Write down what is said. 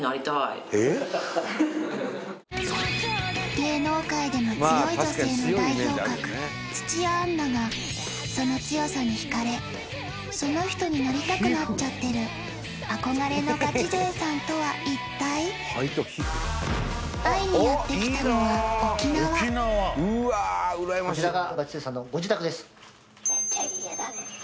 芸能界でも強い女性の代表格土屋アンナがその強さに惹かれその人になりたくなっちゃってる憧れのガチ勢さんとは一体会いにやってきたのは沖縄だねはいあっふたりいたの？